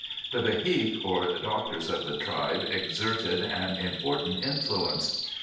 The Behique or doctors of the tribe exerted an important influence.